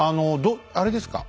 あれですか？